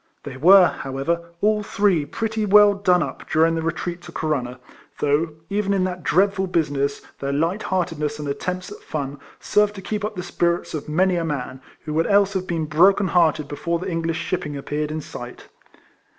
They were, however, all three pretty well done up during the retreat to Corunna; though, even in that dreadful business, their light heartedness and at tempts at fun served to keep up the spirits of many a man, who would else have been broken hearted before the English shipping appeared in sight.